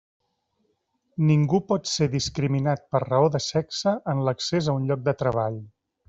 Ningú pot ser discriminat per raó de sexe en l'accés a un lloc de treball.